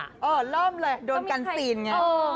เออเริ่มเลยโดนกันซีนไง